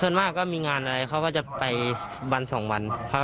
ก็ส่วนมากก็มีงานอะไรเขาก็จะไปวันสองวันค่อยกลับมา